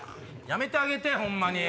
やめてあげてホンマに。